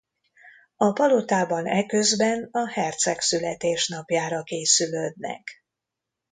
A palotában eközben a herceg születésnapjára készülődnek.